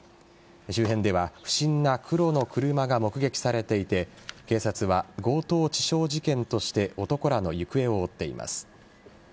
周辺では不審な黒の車が目撃されていて警察は強盗致傷事件として男らの行方を追っています。